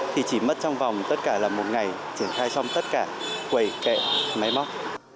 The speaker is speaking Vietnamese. thì chỉ mất trong vòng tất cả là một ngày triển khai xong tất cả quầy kệ máy móc